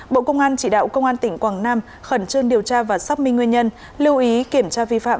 bộ công an chỉ đạo công an tỉnh quảng nam khẩn trương điều tra và xác minh nguyên nhân lưu ý kiểm tra vi phạm